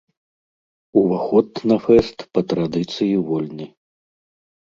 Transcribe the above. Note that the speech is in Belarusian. Уваход на фэст, па традыцыі, вольны.